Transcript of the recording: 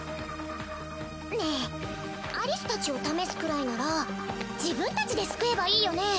ねぇアリスたちを試すくらいなら自分たちで救えばいいよね？